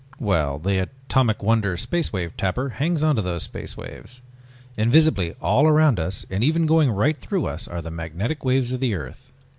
Well ... the Atomic Wonder Space Wave Tapper hangs onto those space waves. Invisibly all about us, and even going right through us, are the magnetic waves of the earth.